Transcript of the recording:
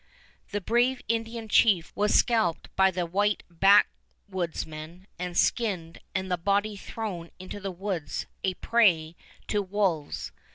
The brave Indian chief was scalped by the white backwoodsmen and skinned and the body thrown into the woods a prey to wolves.